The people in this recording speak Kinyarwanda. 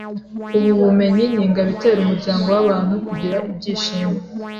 Ubu bumenyi ni ingabo itera umuryango w’abantu kugira ibyishimo